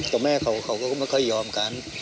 แต่แม่เขาก็ไม่ค่อยยอมการ